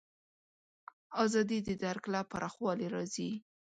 ازادي د درک له پراخوالي راځي.